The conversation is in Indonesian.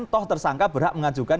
toh tersangka berhak mengajukan